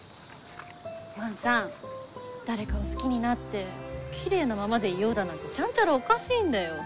万さん誰かを好きになってきれいなままでいようだなんてちゃんちゃらおかしいんだよ。